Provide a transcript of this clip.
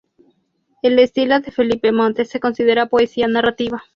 El estilo de Felipe Montes se considera poesía narrativa.